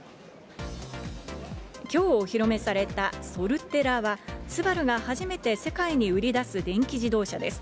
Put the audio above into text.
きょうお披露目された、ソルテラはＳＵＢＡＲＵが初めて世界に売り出す電気自動車です。